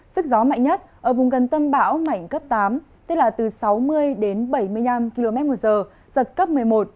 sức gió mạnh nhất ở vùng gần tâm bão mạnh cấp tám tức là từ sáu mươi đến bảy mươi năm km một giờ giật cấp một mươi một